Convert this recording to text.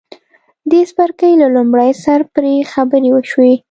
دې څپرکي له لومړي سره پرې خبرې وشوې.